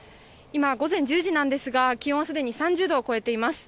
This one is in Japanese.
今、午前１０時なんですが気温はすでに３０度を超えています。